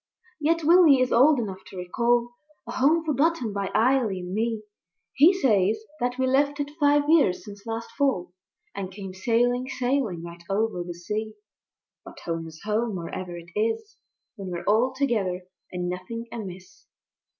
Yet Willy is old enough to recall A Home forgotten by Eily and me; He says that we left it five years since last Fall, And came sailing, sailing, right over the sea. But Home is Home wherever it is, When we're all together and nothing amiss.